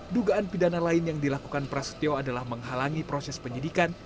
dugaan pidana lain yang dilakukan prasetyo adalah menghalangi proses penyidikan